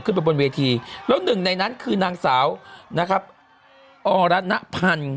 ขึ้นไปบนเวทีแล้วหนึ่งในนั้นคือนางเสานะครับอรัชน์ทัพันย์